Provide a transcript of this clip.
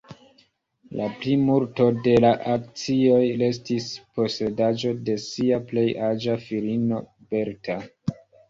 La plimulto de la akcioj restis posedaĵo de sia plej aĝa filino Bertha.